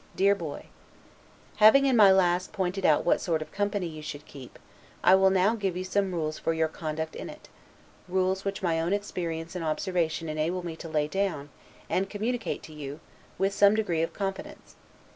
DEAR BOY: Having in my last pointed out what sort of company you should keep, I will now give you some rules for your conduct in it; rules which my own experience and observation enable me to lay down, and communicate to you, with some degree of confidence.